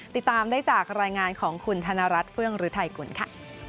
ติดตามได้จากรายงานของคุณธนรัฐเฟื่องฤทัยกุลค่ะ